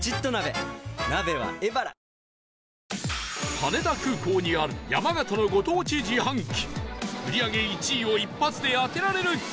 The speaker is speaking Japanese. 羽田空港にある山形のご当地自販機売り上げ１位を一発で当てられるか？